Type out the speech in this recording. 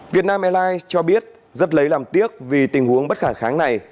vietnam airlines cho biết rất lấy làm tiếc vì tình huống bất khả kháng này